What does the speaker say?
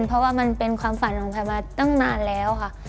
เพราะว่ามันเป็นความฝันของแพทย์มาตั้งนานแล้วค่ะ